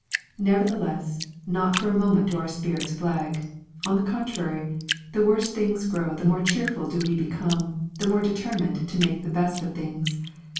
Nevertheless, not for a moment do our spirits flag; on the contrary, the worse things grow the more cheerful do we become, the more determined to make the best of things.